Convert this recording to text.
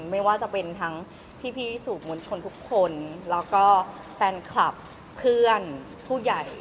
ไม่ว่าจะเป็นทั้งพี่สู่มวลชนทุกคนแล้วก็แฟนคลับเพื่อนผู้ใหญ่